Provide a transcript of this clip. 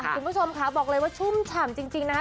คุณผู้ชมค่ะบอกเลยว่าชุ่มฉ่ำจริงนะคะ